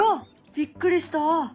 びっくりしたあ。